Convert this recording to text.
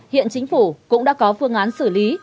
hiện chính phủ cũng đã có phương án xử lý